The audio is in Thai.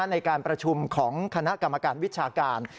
ในการประชุมของคณะกรรมการวิชาการ